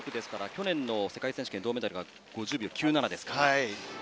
去年の世界選手権銅メダルが５０秒９７ですから。